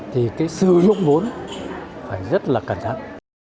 thì cái sử dụng vốn phải rất là cẩn trọng